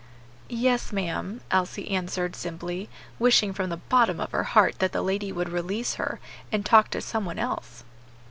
"Yes, ma'am," Elsie answered, simply, wishing from the bottom of her heart that the lady would release her, and talk to some one else.